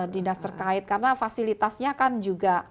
dinas terkait karena fasilitasnya kan juga